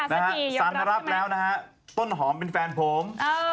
ลูสันท์ก็รับแล้วต้นหอมเป็นแฟนเพิ่ม